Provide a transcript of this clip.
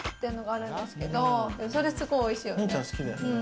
それ、すごいおいしいよね。